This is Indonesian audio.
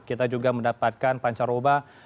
kita juga mendapatkan pancar oba